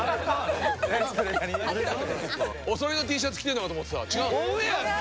おそろいのＴシャツ着てると思った違うの？